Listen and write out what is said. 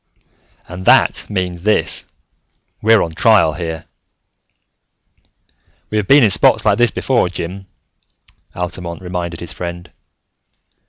"And that means this: we're on trial here!" "We have been in spots like this before, Jim," Altamont reminded his friend.